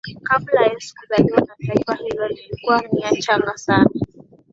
Kabla ya Yesu kuzaliwa na taifa hilo likiwa nia changa sana